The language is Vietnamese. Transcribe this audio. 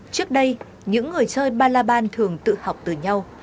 trước đây những người chơi balaban thường tự học từ nhau